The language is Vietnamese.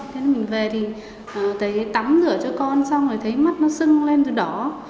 thế mình về thì thấy tắm rửa cho con xong rồi thấy mắt nó sưng lên từ đỏ